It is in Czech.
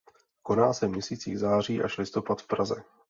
Koná se v měsících září až listopad v Praze.